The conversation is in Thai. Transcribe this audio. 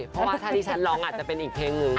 เพราะว่าถ้าที่ฉันร้องอาจจะเป็นอีกเพลงหนึ่ง